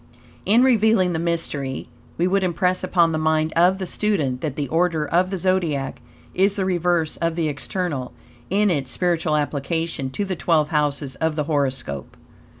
In revealing this mystery, we would impress upon the mind of the student that the order of the Zodiac is the reverse of the external, in its spiritual application, to the twelve houses of the horoscope.